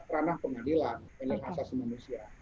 karena pengadilan penyelidikan sasi manusia